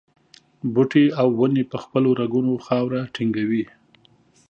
بوټي او ونې په خپلو رګونو خاوره ټینګوي.